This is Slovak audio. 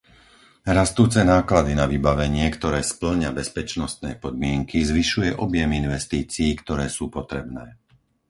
Rastúce náklady na vybavenie, ktoré spĺňa bezpečnostné podmienky, zvyšuje objem investícií, ktoré sú potrebné.